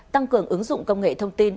tăng cường ứng dụng công nghệ thông tin